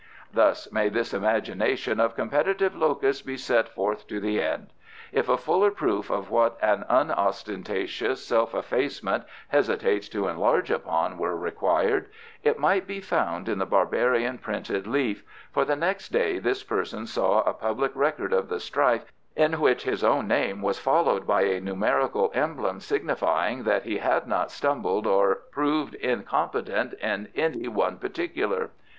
Thus may this imagination of competitive locusts be set forth to the end. If a fuller proof of what an unostentatious self effacement hesitates to enlarge upon were required, it might be found in the barbarian printed leaf, for the next day this person saw a public record of the strife, in which his own name was followed by a numerical emblem signifying that he had not stumbled or proved incompetent in any one particular.